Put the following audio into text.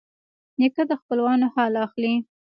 نیکه د خپلوانو حال اخلي.